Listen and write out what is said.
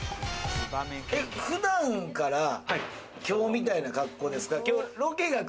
普段から今日みたいな格好ですか？